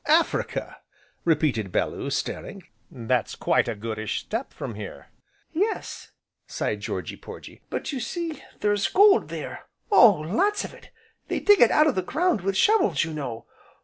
"Africa!" repeated Bellew, staring, "that's quite a goodish step from here." "Yes," sighed Georgy Porgy, "but, you see, there's gold there, oh, lots of it! they dig it out of the ground with shovels, you know.